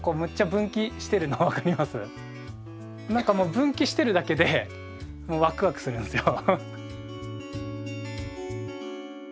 何かもう分岐してるだけでもうワクワクするんですよ。